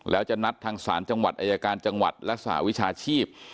แล้วจะนัดทางศาลจังหวัดอายการจังหวัดและสหวิชาชีพ